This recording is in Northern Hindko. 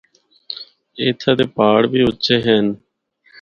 اِتھا دے پہاڑ بھی اُچے ہن۔